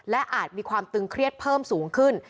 และอาจมีความตึงเครียดเพิ่มสูงขึ้น